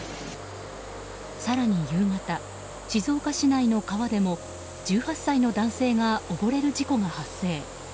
更に夕方、静岡市内の川でも１８歳の男性が溺れる事故が発生。